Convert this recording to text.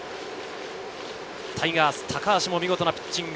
タイガースの高橋も見事なピッチング。